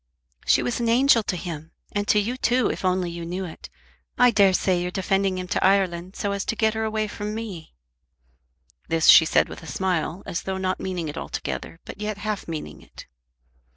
"She was an angel to him, and to you too, if you only knew it. I dare say you're sending him to Ireland so as to get her away from me." This she said with a smile, as though not meaning it altogether, but yet half meaning it.